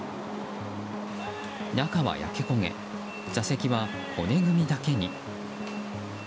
中は焼け焦げ座席は骨組みだけに。